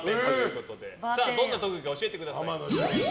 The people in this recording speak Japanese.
どんな特技か教えてください。